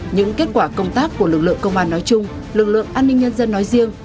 những kết quả công tác của lực lượng công an nói chung lực lượng an ninh nhân dân nói riêng